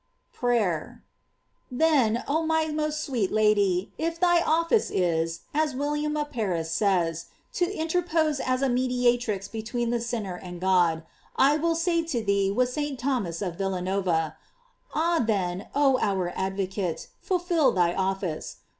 PBATEB. Then, oh my most sweet Lady, if thy office is, as William of Paris eays, to interpose as a mediatrix between the sinner and God,* I will §ay to thee with St. Thomas of Villanova: Ah, then, oh ou? advocate, fulfil thy office.